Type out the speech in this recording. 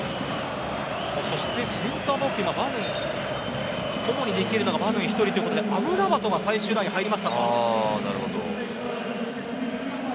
そしてセンターバックをできるのがバヌン１人ということでアムラバトが最終ラインに入りましたか。